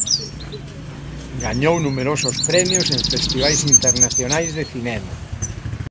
Gañou numerosos premios en festivais internacionais de cinema.